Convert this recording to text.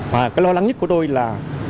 và lo lắng nhất của tôi là